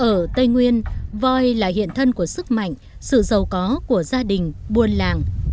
ở tây nguyên voi là hiện thân của sức mạnh sự giàu có của gia đình buôn làng